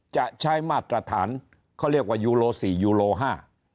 จะใช้มาตรฐานเขาเรียกว่ายูโลสี่ยูโลห้า